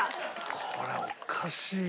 これおかしいよ。